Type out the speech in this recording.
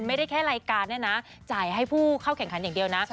ไม่ได้แค่รายการเนี่ยนะจ่ายให้ผู้เข้าแข่งขันอย่างเดียวนะ